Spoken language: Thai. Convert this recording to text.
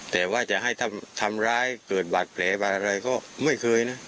แต่ว่าจะให้ทำร้ายเกิดบาดแผลบาดอะไรก็ไม่เคยนะ